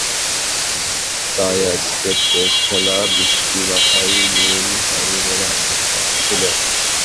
তাই আজকের টেস্ট খেলা বৃষ্টি মাথায় নিয়েই হবে বলে আশঙ্কা ছিল।